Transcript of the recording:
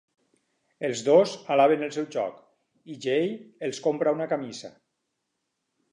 Els dos alaben el seu joc i Jay els compra una camisa.